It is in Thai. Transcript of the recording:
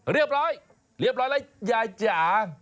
เรียบร้อยเรียบร้อยแล้วยายจ๋า